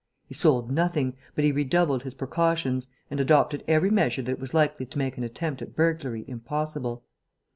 He sold nothing, but he redoubled his precautions and adopted every measure that was likely to make an attempt at burglary impossible.